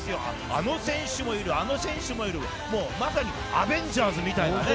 あの選手もいる、あの選手もいる、まさにアベンジャーズみたいなね。